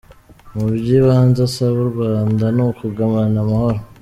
Mu by’ibanze asaba u Rwanda ni ‘ukugumana amahoro’.